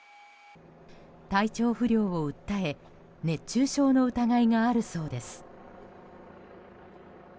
体調不良を訴え熱中症の疑いがあるそうです。